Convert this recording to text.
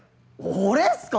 俺っすか？